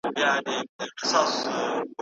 پوه سئ چي تېر وخت له اوس سره مساوي نه دی.